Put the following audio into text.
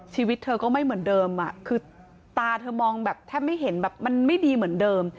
ชีวิตเธอก็ไม่เหมือนเดิมคือตาเธอมองแบบแทบไม่เห็นแบบมันไม่ดีเหมือนเดิม